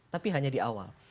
tapi hanya di awal